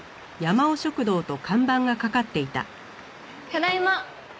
ただいま。